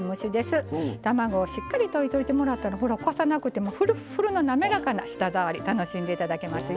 卵をしっかり溶いといてもらったらほらこさなくてもフルッフルな滑らかな舌触り楽しんで頂けますよ。